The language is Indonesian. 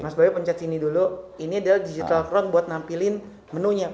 mas bayu pencet sini dulu ini adalah digital crown buat nampilin menunya